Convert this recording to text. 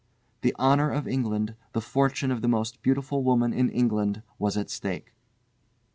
The honour of England, the fortune of the most beautiful woman in England was at stake.